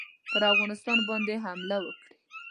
پر افغانستان باندي حمله وکړي.